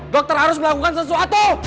dokter harus melakukan sesuatu